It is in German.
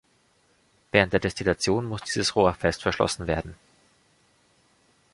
Während der Destillation muss dieses Rohr fest verschlossen werden.